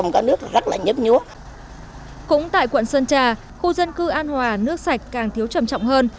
cũng tại quận sơn trà khu dân cư an hòa nước sạch càng thiếu trầm trọng hơn